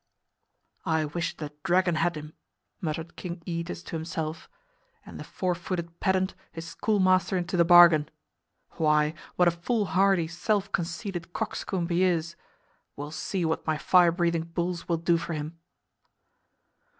"I wish the dragon had him," muttered King Æetes to himself, "and the four footed pedant, his schoolmaster, into the bargain. Why, what a foolhardy, self conceited coxcomb he is! We'll see what my fire breathing bulls will do for him.